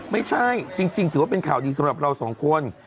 ไม่ใช่จริงถือว่าเป็นข่าวดีสำหรับเราสองคน